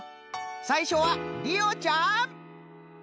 さいしょは莉央ちゃん。